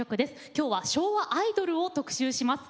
きょうは昭和アイドルを特集します。